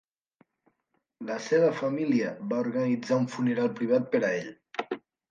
La seva família va organitzar un funeral privat per a ell.